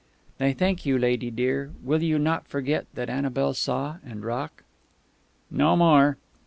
"They thank you, lady dear.... Will you not forget that Annabel saw, and rock?" "No more."